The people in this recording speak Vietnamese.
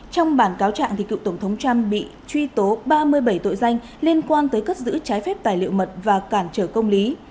trong bản cáo trạng cựu tổng thống trump bị truy tố ba mươi bảy tội danh liên quan tới cất giữ trái phép tài liệu mật và cản trở công lý